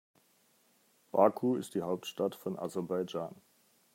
Baku ist die Hauptstadt von Aserbaidschan.